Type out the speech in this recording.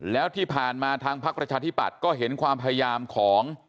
แล้วที่ผ่านมาทางพักประชาธิปัตย์ก็เห็นความพยายามของ